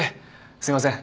すみません。